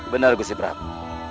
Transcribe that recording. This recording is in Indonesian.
benar gusti prabu